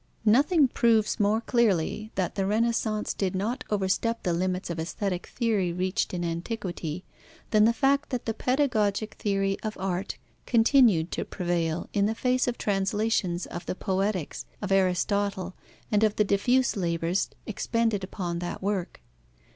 Nothing proves more clearly that the Renaissance did not overstep the limits of aesthetic theory reached in antiquity, than the fact that the pedagogic theory of art continued to prevail, in the face of translations of the Poetics of Aristotle and of the diffuse labours expended upon that work.